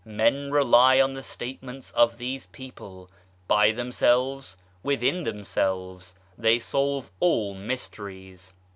Men rely on the statements of these people : by themselves within themselves they solve all mysteries.